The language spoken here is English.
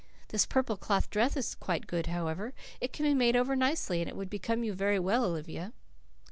This purple cloth dress is quite good, however. It can be made over nicely, and it would become you very well, Olivia."